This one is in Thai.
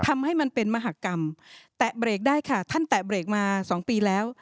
ทำให้มันเป็นมหากรรมแตะเบรกได้ค่ะท่านแตะเบรกมาสองปีแล้ว